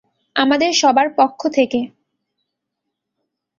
আমাদের সবার পক্ষ থেকে।